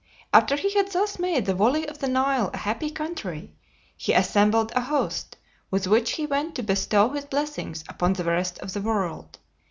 After he had thus made the valley of the Nile a happy country, he assembled a host with which he went to bestow his blessings upon the rest of the world.